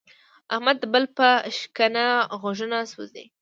احمد د بل په شکنه غوږونه سوزي.